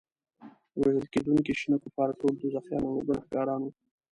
وژل کېدونکي شنه کفار ټول دوزخیان او ګناهګاران وو.